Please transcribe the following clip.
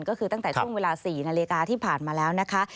ก็คือตั้งแต่ช่วงเวลา๔นาฬิกาที่ผ่านมาแล้วนะคะ